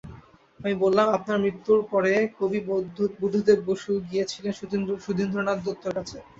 আমি বললাম, আপনার মৃত্যুর পরে কবি বুদ্ধদেব বসু গিয়েছিলেন সুধীন্দ্রনাথ দত্তর কাছে।